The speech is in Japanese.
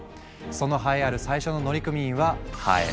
その栄えある最初の乗組員はハエ。